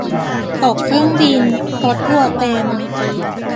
ตกเครื่องบิน รถทัวร์เต็ม